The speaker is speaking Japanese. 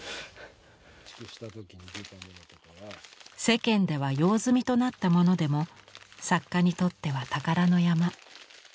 世間では用済みとなったものでも作家にとっては宝の山。